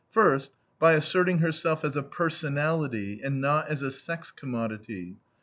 First, by asserting herself as a personality, and not as a sex commodity.